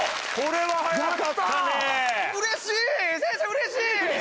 うれしい！